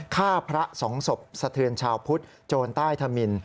ฆ่าพระสองศพสะเทือนชาวพุทธโจรใต้ธมิน